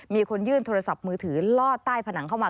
มีคนยื่นโทรศัพท์มือถือลอดใต้ผนังเข้ามา